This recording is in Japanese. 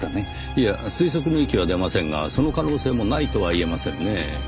いや推測の域は出ませんがその可能性もないとは言えませんねぇ。